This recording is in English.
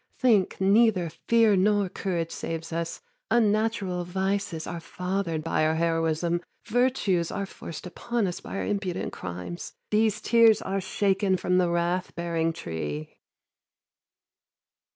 Think Neither fear nor courage saves us. Unnatural vices Are fathered by our heroism. Virtues Are forced upon us by our impudent crimes. These tears are shaken from the wrath bearing tree.